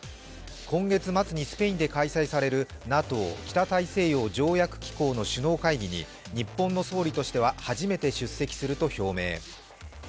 今月末にスペインで開催されるＮＡＴＯ＝北大西洋条約機構の首脳会議に日本の総理としては初めて出席すると表明。